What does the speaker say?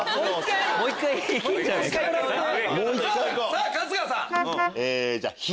さぁ春日さん。